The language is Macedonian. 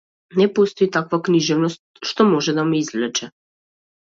Не постои таква книжевност што може да ме извлече.